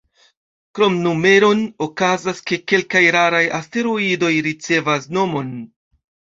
Krom numeron, okazas, ke kelkaj raraj asteroidoj ricevas nomon.